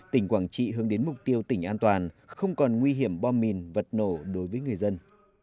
tỉnh quảng trị hướng đến mục tiêu tỉnh an toàn không còn nguy hiểm bom mìn vật nổ đối với người dân